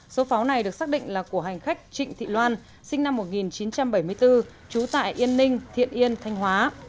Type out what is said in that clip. số pháo này được xác định là của hành khách trịnh thị loan sinh năm một nghìn chín trăm bảy mươi bốn trú tại yên ninh thiện yên thanh hóa